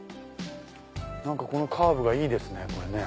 このカーブがいいですねこれね。